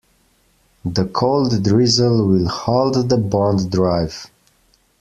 The cold drizzle will halt the bond drive.